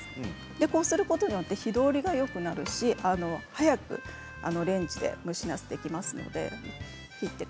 こうすることによって火通りがよくなりますし早くレンジで蒸しなすができます。